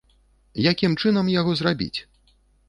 Якім чынам яго зрабіць?